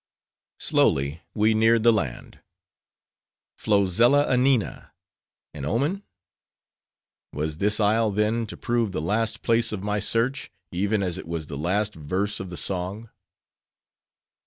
Slowly we neared the land. Flozella a Nina!—An omen? Was this isle, then, to prove the last place of my search, even as it was the Last Verse of the Song?